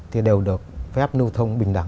thì đều được phép nưu thông bình thường